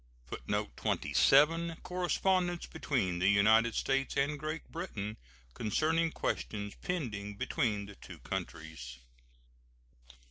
U.S. GRANT. [Footnote 27: Correspondence between the United States and Great Britain concerning questions pending between the two countries.